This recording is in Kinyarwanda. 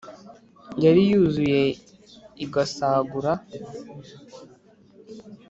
yari yuzuye igasagura